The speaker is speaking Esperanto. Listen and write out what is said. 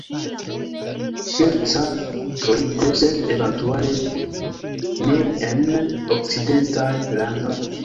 Ŝerca troigo – sed eventuale ne en okcidentaj landoj.